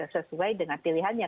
sesuai dengan pilihannya